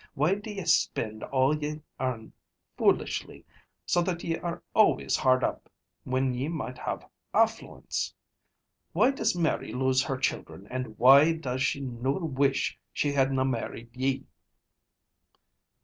Why do ye spend all ye earn foolishly, so that ye are always hard up, when ye might have affluence? Why does Mary lose her children, and why does she noo wish she had na married ye?"